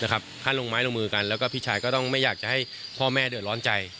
ถ้าลงไม้ลงมือกันแล้วก็พี่ชายก็ต้องไม่อยากจะให้พ่อแม่เดือดร้อนใจ